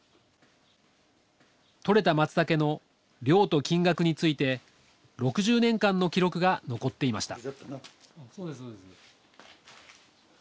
採れたマツタケの量と金額について６０年間の記録が残っていました